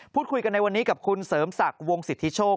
พูดคุยกันในวันนี้กับคุณเสริมศักดิ์วงสิทธิโชค